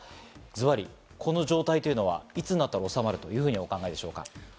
ずばり、この状態というのはいつになったら収まるというふうにお考えでしょうか。